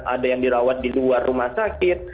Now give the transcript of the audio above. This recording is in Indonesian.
ada yang dirawat di luar rumah sakit